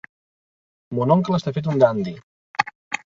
Mon oncle està fet un dandi.